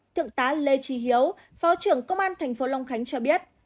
thượng tá lê tri hiếu phó trưởng công an tp hcm cho biết